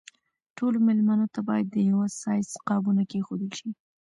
ټولو مېلمنو ته باید د یوه سایز قابونه کېښودل شي.